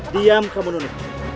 diam kamu nunek